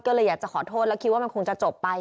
ก็เลยอยากจะขอโทษแล้วคิดว่ามันคงจะจบไป